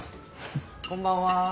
こんばんは。